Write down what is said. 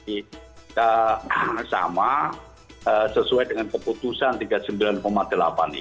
kita sama sesuai dengan keputusan tiga puluh sembilan delapan itu